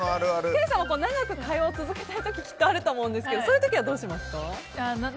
ケイさんは長く会話を続けたい時きっとあると思うんですけどそういう時、どうしますか？